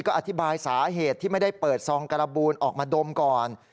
ก็อธิบายสาเหตุที่ไม่ได้เปิดซองการบูนออกมาดมก่อน